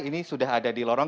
ini sudah ada di lorong